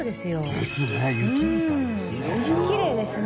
ですね雪みたいですね。